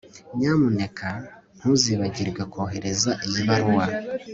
Nyamuneka ntuzibagirwe kohereza iyi baruwa